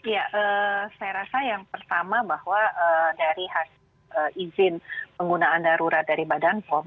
ya saya rasa yang pertama bahwa dari hasil izin penggunaan darurat dari badan pom